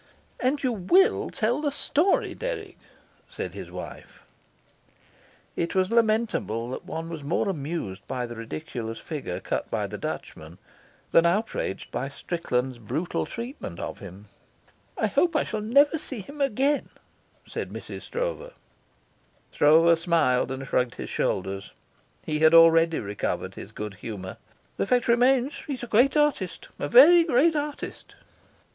"And you tell the story, Dirk," Said his wife. It was lamentable that one was more amused by the ridiculous figure cut by the Dutchman than outraged by Strickland's brutal treatment of him. "I hope I shall never see him again," said Mrs. Stroeve. Stroeve smiled and shrugged his shoulders. He had already recovered his good humour. "The fact remains that he's a great artist, a very great artist."